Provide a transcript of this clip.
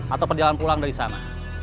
atau perjalanan pulang dari sana